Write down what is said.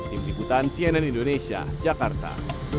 tim liputan cnn indonesia jakarta